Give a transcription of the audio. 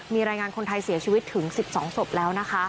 มีรายงานคนไทยเสียชีวิตถึง๑๒ศพแล้วนะคะ